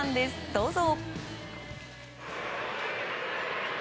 どうぞ！